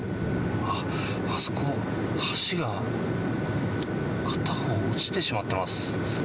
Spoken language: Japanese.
あそこ、橋が片方、落ちてしまってます。